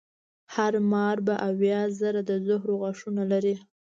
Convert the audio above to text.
هر مار به اویا زره د زهرو غاښونه لري.